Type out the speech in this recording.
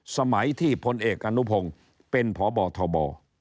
สมัยที่พลเอกอนุพงศ์เป็นพบทบ